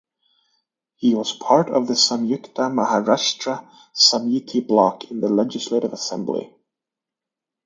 He was part of the Samyukta Maharashtra Samiti bloc in the Legislative Assembly.